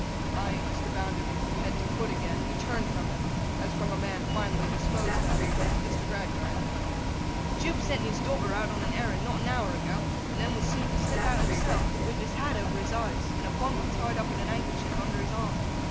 Eyeing Mr. Bounderby from head to foot again, he turned from him, as from a man finally disposed of, to Mr. Gradgrind. 'Jupe sent his daughter out on an errand not an hour ago, and then was seen to slip out himself, with his hat over his eyes, and a bundle tied up in a handkerchief under his arm.